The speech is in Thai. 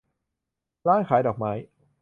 ร้านขายดอกไม้